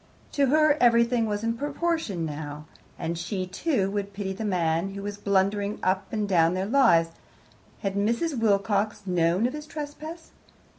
To her everything was in proportion now, and she, too, would pity the man who was blundering up and down their lives. Had Mrs. Wilcox known of his trespass?